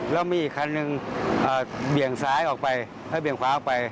แล้วมีอีกคันหนึ่งเบี่ยงซ้ายออกไปถ้าเบี่ยงขวาออกไป